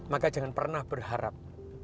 maka jangan pernah berharap